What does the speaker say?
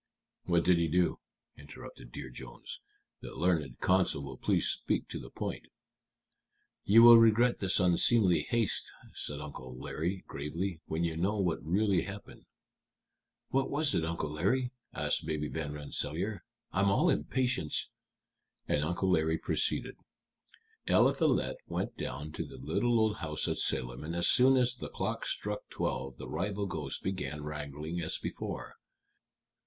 "What did he do?" interrupted Dear Jones. "The learned counsel will please speak to the point." "You will regret this unseemly haste," said Uncle Larry, gravely, "when you know what really happened." "What was it, Uncle Larry?" asked Baby Van Rensselaer. "I'm all impatience." And Uncle Larry proceeded: "Eliphalet went down to the little old house at Salem, and as soon as the clock struck twelve the rival ghosts began wrangling as before.